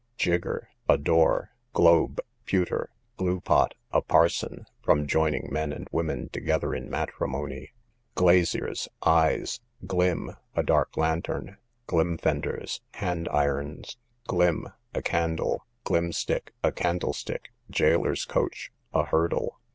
Gigger, a door. Globe, pewter. Glue pot, a parson; from joining men and women together in matrimony. Glaziers, eyes. Glim, a dark lantern. Glimfenders, hand irons. Glim, a candle. Glimstick, a candlestick. Gaoler's coach, a hurdle.